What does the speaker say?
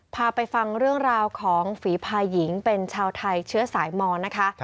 พาไปฟังเรื่องราวของฝีภายหญิงเป็นชาวไทยเชื้อสายมอนนะคะ